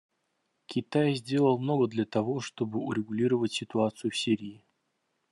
Китай сделал много для того, чтобы урегулировать ситуацию в Сирии.